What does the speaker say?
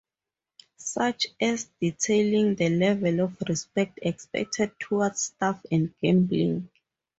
Such as, detailing the level of respect expected towards staff and gambling.